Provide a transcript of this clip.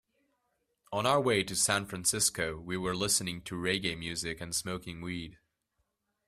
On our way to San Francisco, we were listening to reggae music and smoking weed.